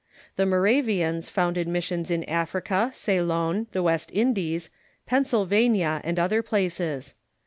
The Moravians founded mis sions in Africa. Ceylon, the West Indies, Pennsylvania, and other places.